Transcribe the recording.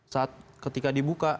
saat ketika dibuka